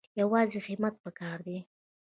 یوازې همت پکار دی